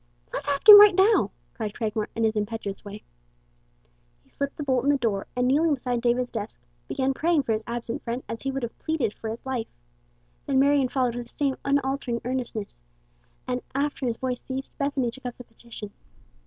'" "Let's ask him right now!" cried Cragmore, in his impetuous way. He slipped the bolt in the door, and kneeling beside David's desk, began praying for his absent friend as he would have pleaded for his life. Then Marion followed with the same unfaltering earnestness, and after his voice ceased, Bethany took up the petition.